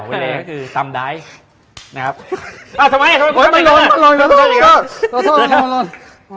ของเวเลคือนะครับอ้าวทำไมโอ้ยมันลงมันลงโทษโทษโทษ